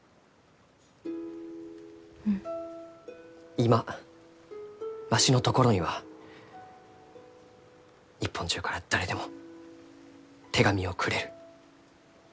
今わしのところには日本中から誰でも手紙をくれる。